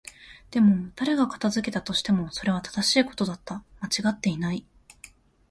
でも、誰が片付けたとしても、それは正しいことだった。間違っていない。